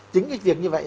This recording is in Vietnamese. chính cái việc như vậy